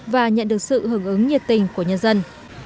và nhận được sự hưởng ứng nhiệt tình của nhân dân